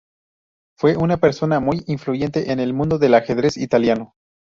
Fue una persona muy influyente en el mundo del Ajedrez italiano.